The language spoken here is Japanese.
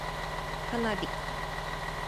花火